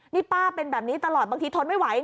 นี่ป้าเป็นแบบนี้ตลอดบางทีทนไม่ไหว